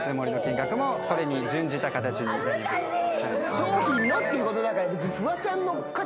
商品のっていうことだから別に。